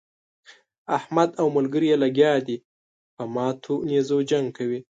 احمد او ملګري يې لګيا دي په ماتو نېزو جنګ کوي.